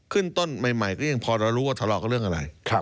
ขึ้นต้นใหม่ก็ยังพอเรารู้ว่าทะเลาะกับเรื่องอะไร